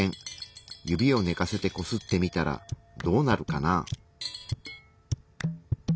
指を寝かせてこすってみたらどうなるかな？